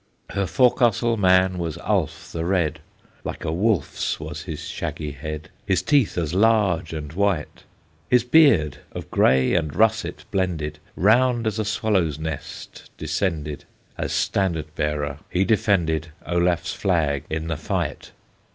Her forecastle man was Ulf the Red; Like a wolf's was his shaggy head, His teeth as large and white; His beard, of gray and russet blended, Round as a swallow's nest descended; As standard bearer he defended Olaf's flag in the fight.